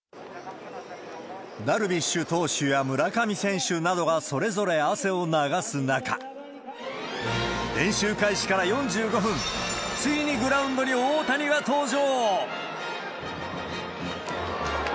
ダルビッシュ投手や村上選手などがそれぞれ汗を流す中、練習開始から４５分、ついにグラウンドに大谷が登場！